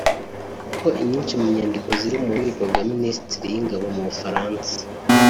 kuko inyinshi mu nyandiko ziri mu bubiko bwa Ministeri y’ingabo mu Bufaransa